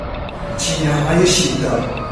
چینههای شیبدار